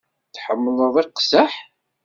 Tḥemmleḍ iqzaḥ?